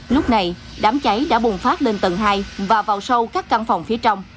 lúc này đám cháy đã bùng phát lên tầng hai và vào sâu các căn phòng phía trong